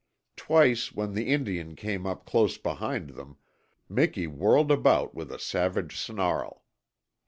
Twice when the Indian came up close behind them Miki whirled about with a savage snarl.